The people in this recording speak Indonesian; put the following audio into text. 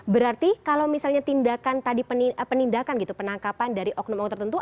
berarti kalau misalnya tindakan tadi penindakan gitu penangkapan dari oknum okn tertentu